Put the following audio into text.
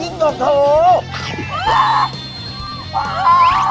กินล้างบาง